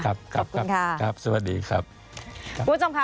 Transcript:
ครับขอบคุณค่ะครับสวัสดีครับคุณผู้ชมค่ะ